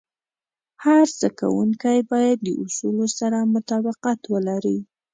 هر زده کوونکی باید د اصولو سره مطابقت ولري.